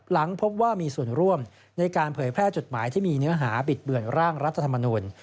หลังพบว่ามีส่วนร่วมในการเผยแพร่จดหมายที่มีเนื้อหาบิดเบือนร่างรัฐธรรมนุน